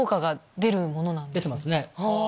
出てますね。